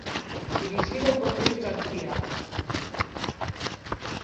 Dirixido por Luís García.